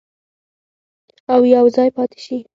او یوځای پاتې شي.